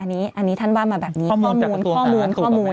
อันนี้ท่านว่ามาแบบนี้ข้อมูลข้อมูลข้อมูลข้อมูล